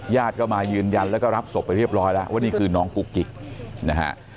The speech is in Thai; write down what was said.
ญาติก็มายืนยันแล้วก็รับศพไปเรียบร้อยแล้วว่านี่คือน้องกุ๊กกิ๊กนะฮะ